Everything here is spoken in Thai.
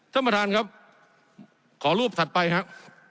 ท่านประธานครับขอรูปถัดไปครับ